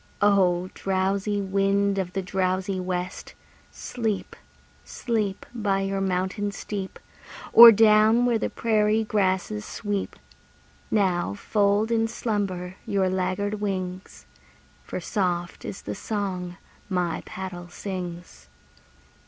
O! drowsy wind of the drowsy west, Sleep, sleep, By your mountain steep, Or down where the prairie grasses sweep! Now fold in slumber your laggard wings, For soft is the song my paddle sings.